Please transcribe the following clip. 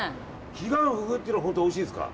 ヒガンフグっていうのがおいしいんですか。